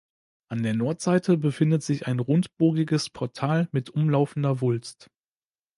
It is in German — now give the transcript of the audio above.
An der Nordseite befindet sich ein rundbogiges Portal mit umlaufender Wulst.